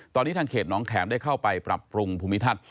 ตอนนี้ทางเขตน้องแขมได้เข้าไปปรับปรุงภูมิทัศน์